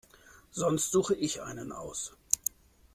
Sonst suche ich einen aus.